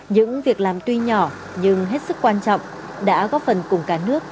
những việc làm tuy nhỏ nhưng hết sức quan trọng đã góp phần cùng cả nước